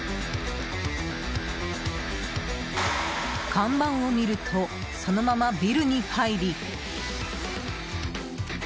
看板を見るとそのままビルに入り。